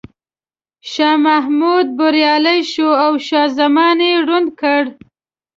شاه محمود بریالی شو او شاه زمان یې ړوند کړ.